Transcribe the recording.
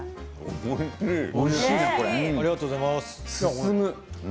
進む！